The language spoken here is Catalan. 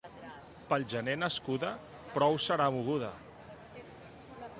Pel gener nascuda? Prou serà moguda!